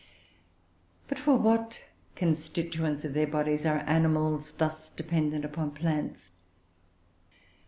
But for what constituents of their bodies are animals thus dependent upon plants?